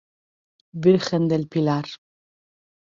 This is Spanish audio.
Virgen del Pilar.